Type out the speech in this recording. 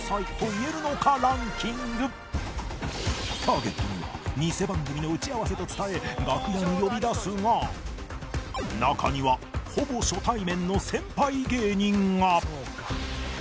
ターゲットにはニセ番組の打ち合わせと伝え楽屋に呼び出すが中にはほぼ初対面の先輩芸人が